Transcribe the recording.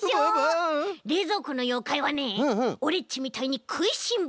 れいぞうこのようかいはねオレっちみたいにくいしんぼうで。